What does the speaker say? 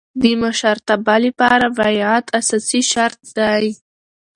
د مشرتابه له پاره بیعت اساسي شرط دئ.